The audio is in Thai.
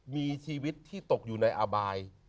มีชีวิตที่ตกอยู่ในอบาย